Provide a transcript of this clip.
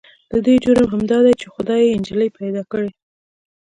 د دې جرم همدا دی چې خدای يې نجلې پيدا کړې.